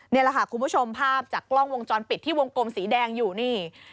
นี่แหละค่ะคุณผู้ชมภาพจากกล้องวงจรปิดที่วงกลมสีแดงอยู่นี่